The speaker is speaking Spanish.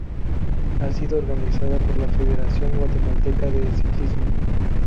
Ha sido organizada por la Federación Guatemalteca de Ciclismo.